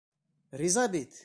Риза бит!